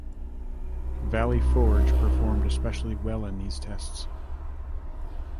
'Valley Forge' performed especially well in these tests.